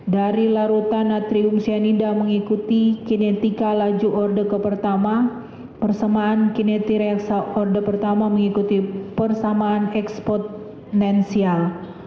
dari larutan natrium cyanida mengikuti kinetika laju order ke pertama persamaan kinetika order pertama mengikuti persamaan eksponensial